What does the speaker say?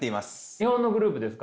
日本のグループですか？